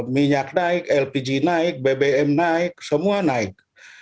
minyak naik lpg naik bbm naik semua naik